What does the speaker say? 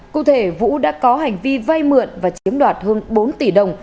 cụ thể vũ đã có hành vi vay mượn và chiếm đoạt hơn bốn tỷ đồng